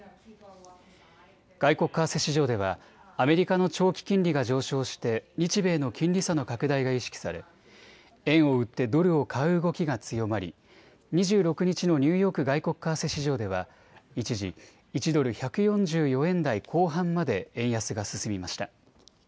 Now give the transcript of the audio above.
外国為替市場ではアメリカの長期金利が上昇して日米の金利差の拡大が意識され円を売ってドルを買う動きが強まり２６日のニューヨーク外国為替市場では一時、１ドル１４４円台後半まで円安が進みました。